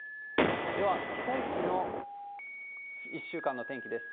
では、被災地の１週間の天気です。